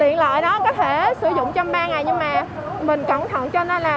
tiện lợi đó có thể sử dụng trong ba ngày nhưng mà mình cẩn thận cho nên là